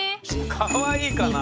かわいいかなあ。